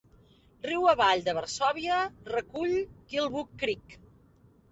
Riu avall de Varsòvia recull Killbuck Creek.